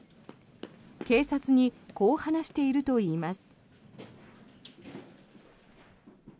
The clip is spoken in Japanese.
警察にこう話しているといいます。